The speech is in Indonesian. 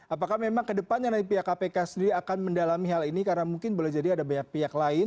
apakah memang ke depannya pihak kpk sendiri akan mendalami hal ini karena mungkin boleh jadi ada benar benar yang menarik